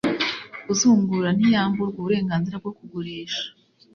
uzungura ntiyamburwa uburenganzira bwo kugurisha